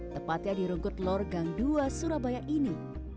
tepatnya di rungkut lor gang dua surabaya ini